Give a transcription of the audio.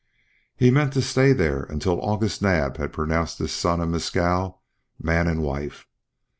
He meant to stay there until August Naab had pronounced his son and Mescal man and wife.